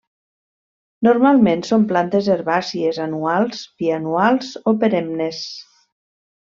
Normalment són plantes herbàcies anuals, bianuals o perennes.